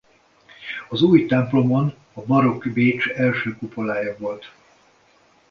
Az új templomon a barokk Bécs első kupolája volt.